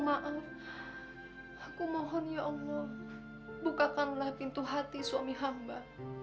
maaf aku mohon ya allah bukakanlah pintu hati suami hamba